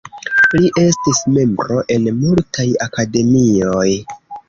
Li estis membro en multaj akademioj.